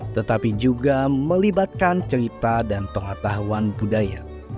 tetapi juga melibatkan cerita dan pengetahuan budaya